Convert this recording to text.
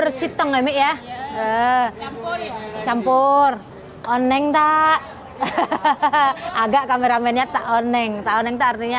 rambut tangga mi ya campur campur koneng tak hahaha agak kameramennya tahun eng teng taruhnya